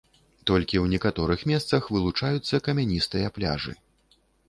Толькі ў некаторых месцах вылучаюцца камяністыя пляжы.